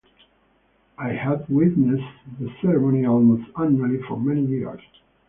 I have witnessed the ceremony almost annually for many years.